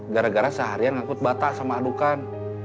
gara gara seharian ngikut batas sama adukan